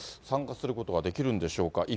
参加することはできるんでしょうか。